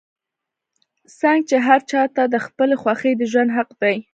څنګ چې هر چا ته د خپلې خوښې د ژوند حق دے